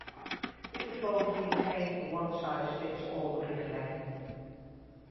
Dit is bovendien geen one size fits all-richtlijn.